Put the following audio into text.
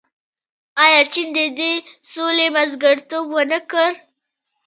آیا چین د دې سولې منځګړیتوب ونه کړ؟